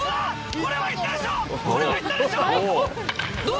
これはいったでしょう！